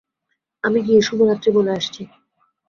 আমি গিয়ে শুভরাত্রি বলে আসছি।